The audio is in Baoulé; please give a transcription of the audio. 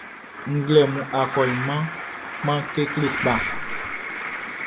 Nglɛmunʼn, akɔɲinmanʼn kpan kekle kpa.